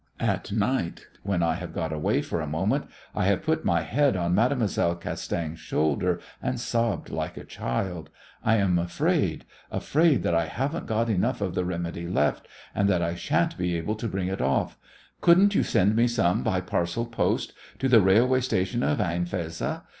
At night when I have got away for a moment I have put my head on Mademoiselle Castaing's shoulder and sobbed like a child. I am afraid, afraid that I haven't got enough of the remedy left, and that I shan't be able to bring it off. Couldn't you send me some by parcel post to the railway station of Ain Fezza?